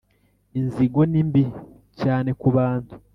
inzigo ni mbi cyane ku bantu